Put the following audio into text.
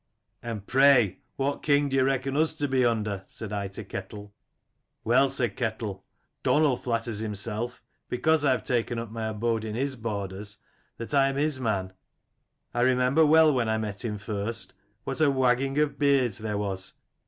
" 'And pray what king do you reckon us to be under?" said I to Ketel. '" Well,' said Ketel, 'Donal flatters himself because I have taken up my abode in his borders, that I am his man. I remember well, when I met him first, what a wagging of beards there was.